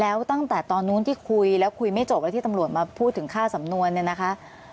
แล้วตั้งแต่ตอนนู้นที่คุยแล้วคุยไม่จบแล้วที่ตำรวจมาพูดถึงค่าสำนวนเนี่ยนะคะ